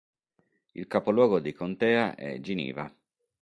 Il capoluogo di contea è Geneva.